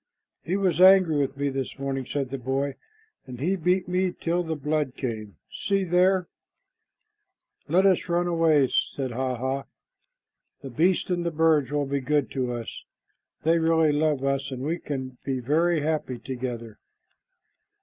"He was angry with me this morning," said the boy, "and he beat me till the blood came. See there!" "Let us run away," said Hah hah. "The beasts and the birds will be good to us. They really love us, and we can be very happy together."